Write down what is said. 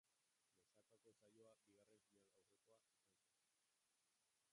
Lesakako saioa bigarren finalaurrekoa izan zen.